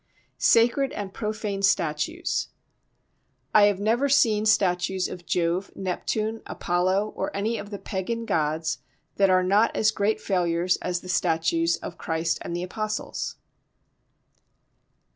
Sacred and Profane Statues I have never seen statues of Jove, Neptune, Apollo or any of the pagan gods that are not as great failures as the statues of Christ and the Apostles.